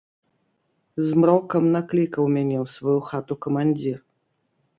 Змрокам наклікаў мяне ў сваю хату камандзір.